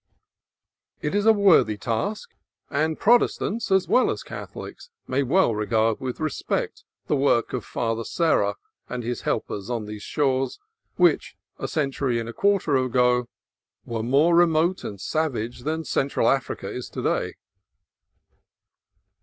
It is a worthy task, and Protestants as well as Catholics may well regard with respect the work of Father Serra and his help ers on these shores, which, a century and a quarter ago, were more remote and savage than Central Africa is to day.